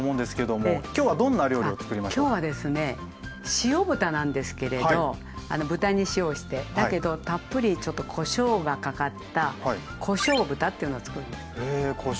塩豚なんですけれど豚に塩をしてだけどたっぷりちょっとこしょうがかかった「こしょう豚」っていうのをつくるんです。へこしょう豚。